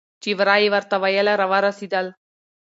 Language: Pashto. چې ورا یې ورته ویله راورسېدل.